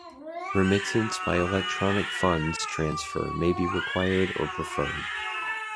Remittance by electronic funds transfer may be required or preferred.